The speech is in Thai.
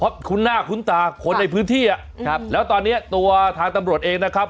เพราะคุ้นหน้าคุ้นตาคนในพื้นที่อ่ะครับแล้วตอนเนี้ยตัวทางตำรวจเองนะครับ